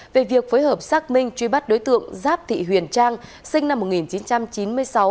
về việc phối hợp xác minh truy bắt đối tượng giáp thị huyền trang sinh năm một nghìn chín trăm chín mươi sáu